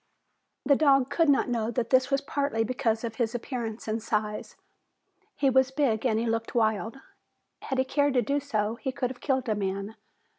The dog could not know that this was partly because of his appearance and size. He was big and he looked wild. Had he cared to do so, he could have killed a man.